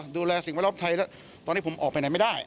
ดูแลสิ่งไว้รอบไทยตอนนี้ผมออกไปไหนไม่ได้